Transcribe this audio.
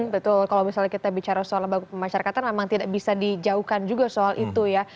betul kalau misalnya kita bicara soal lembaga pemasyarakatan memang tidak bisa dijauhkan juga soal itu ya